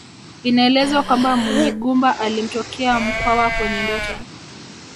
Inaelezwa kwamba Munyigumba alimtokea Mkwawa kwenye ndoto